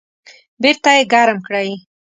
بیرته یې ګرم کړئ